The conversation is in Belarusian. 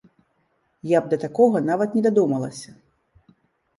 Я б да такога нават не дадумалася!